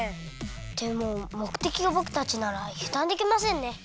でももくてきがぼくたちならゆだんできませんね。